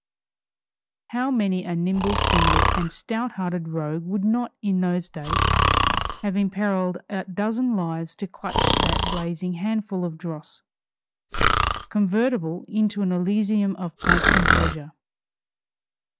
How many a nimble fingered and stout hearted rogue would not, in those days, have imperiled a dozen lives to clutch that blazing handful of dross, convertible into an Elysium of pomp and pleasure!